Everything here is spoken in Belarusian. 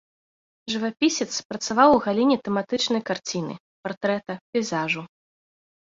Жывапісец, працаваў у галіне тэматычнай карціны, партрэта, пейзажу.